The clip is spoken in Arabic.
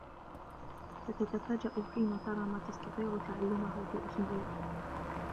ستتفاجئ حين ترى ما تستطيع تعلمه في أسبوع.